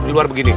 di luar begini